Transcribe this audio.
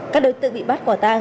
các đối tượng bị bắt quả tang